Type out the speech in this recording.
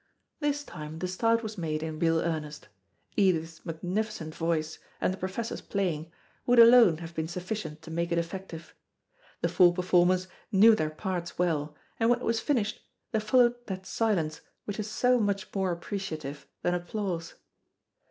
This time the start was made in real earnest. Edith's magnificent voice, and the Professor's playing, would alone have been sufficient to make it effective. The four performers knew their parts well, and when it was finished, there followed that silence which is so much more appreciative than applause.